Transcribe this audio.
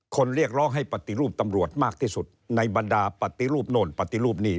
เรียกร้องให้ปฏิรูปตำรวจมากที่สุดในบรรดาปฏิรูปโน่นปฏิรูปหนี้